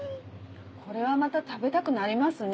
これはまた食べたくなりますね。